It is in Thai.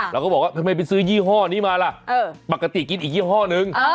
เราก็บอกว่าทำไมไปซื้อยี่ห้อนี้มาล่ะปกติกินอีกยี่ห้อนึง